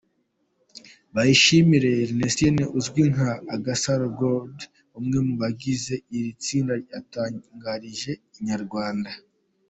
Bayishimire Ernestine uzwi nka Agasaro Gold umwe mu bagize iri tsinda yatangarije Inyarwanda.